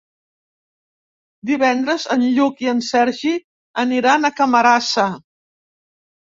Divendres en Lluc i en Sergi aniran a Camarasa.